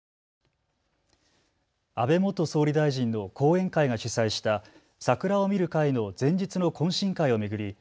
安倍元総理大臣の後援会が主催した桜を見る会の前日の懇親会を巡り